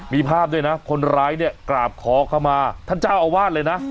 มีภาพด้วยนะคนร้ายเนี่ยกราบขอเข้ามาท่านเจ้าอาวาสเลยนะ